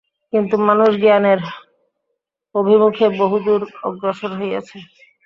কিন্তু মানুষ জ্ঞানের অভিমুখে বহুদূর অগ্রসর হইয়াছে।